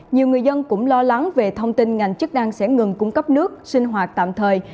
nhiều người dân cũng lo lắng về thông tin ngành chức năng sẽ ngừng cung cấp nước sinh hoạt tạm thời